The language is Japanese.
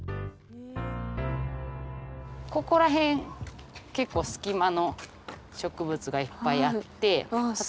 ここら辺結構スキマの植物がいっぱいあって。